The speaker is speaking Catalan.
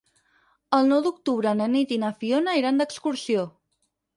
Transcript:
El nou d'octubre na Nit i na Fiona iran d'excursió.